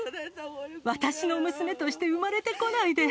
私の娘として生まれてこないで。